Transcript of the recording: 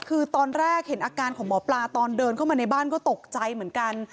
คือตอนแรกเห็นอาการของหมอปลาตอนเดินเข้ามาในบ้านก็ตกใจเหมือนกัน